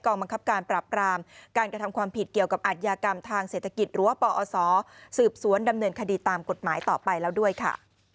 บังคับการปราบรามการกระทำความผิดเกี่ยวกับอัธยากรรมทางเศรษฐกิจหรือว่าปอศสืบสวนดำเนินคดีตามกฎหมายต่อไปแล้วด้วยค่ะ